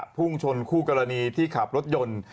พุ่งชนคู่กรณีที่ขับรถยนต์